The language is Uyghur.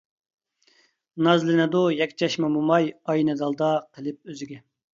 نازلىنىدۇ يەكچەشمە موماي، ئاينى دالدا قىلىپ ئۆزىگە.